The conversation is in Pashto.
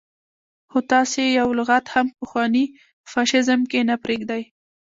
خو تاسو يې يو لغت هم په پخواني فاشيزم کې نه پرېږدئ.